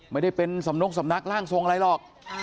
ไม่ได้เป็นสำนกสำนักร่างทรงอะไรหรอก